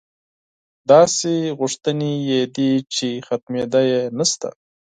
داسې غوښتنې یې دي چې ختمېدا یې نشته.